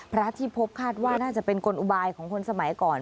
พระที่พบคาดว่าน่าจะเป็นกลอุบายของคนสมัยก่อน